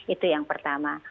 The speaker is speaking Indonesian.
itu yang pertama